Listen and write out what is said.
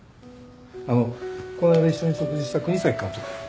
あのこないだ一緒に食事した國東監督。